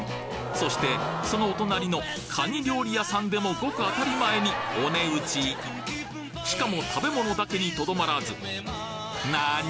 そしてそのお隣のかに料理屋さんでもごく当たり前にお値打ちしかも食べ物だけにとどまらずなに！？